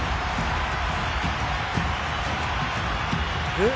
えっ？